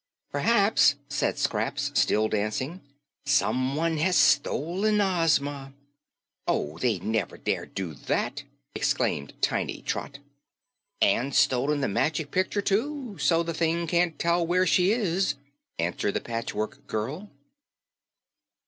"P'raps," said Scraps, still dancing, "someone has stolen Ozma." "Oh, they'd never dare do that!" exclaimed tiny Trot. "And stolen the Magic Picture, too, so the thing can't tell where she is," added the Patchwork Girl.